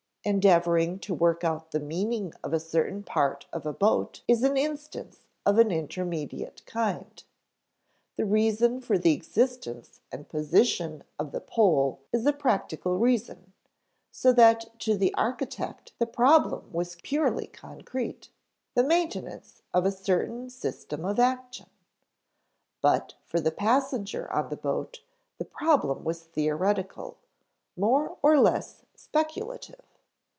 Endeavoring to work out the meaning of a certain part of a boat is an instance of an intermediate kind. The reason for the existence and position of the pole is a practical reason, so that to the architect the problem was purely concrete the maintenance of a certain system of action. But for the passenger on the boat, the problem was theoretical, more or less speculative.